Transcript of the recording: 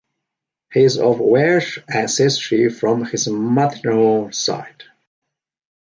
He is of Welsh ancestry from his maternal side.